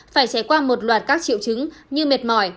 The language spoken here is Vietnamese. phải trải qua một loạt các triệu chứng như mệt mỏi